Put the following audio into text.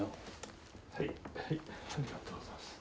はいはいありがとうございます。